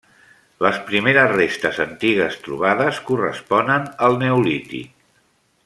Les primeres restes antigues trobades corresponen al Neolític.